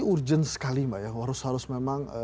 urgent sekali mbak ya harus harus memang